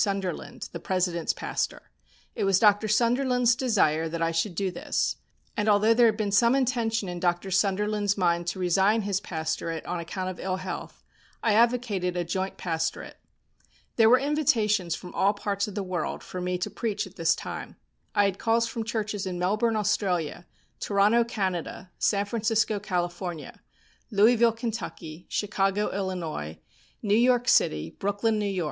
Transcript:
Sunderland, the President's pastor. It was Dr. Sunderland's desire that I should do this, and although there had been some intention in Dr. Sunderland's mind to resign his pastorate on account of ill health I advocated a joint pastorate. There were invitations from all parts of the world for me to preach at this time. I had calls from churches in Melbourne, Australia; Toronto, Canada; San Francisco, California; Louisville, Kentucky; Chicago, Illinois; New York City; Brooklyn, N.Y.